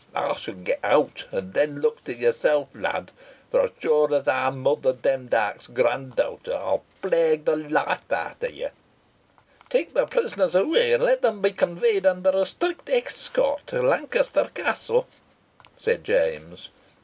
Ey shan get out, and then look to yersel, lad; for, os sure os ey'm Mother Demdike's grandowter, ey'n plague the life out o' ye." "Take the prisoners away, and let them be conveyed under a strict escort to Lancaster Castle," said James.